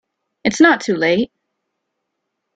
It's not too late.